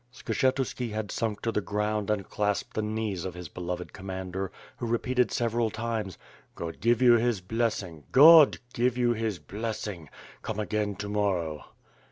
"Skshetuski had sunk to the ground and clasped the knees of his beloved commander, who repeated several times: "God give you his blessing! God give you his blessing! Come again to morrow."